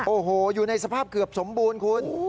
โอ้โหอยู่ในสภาพเกือบสมบูรณ์คุณ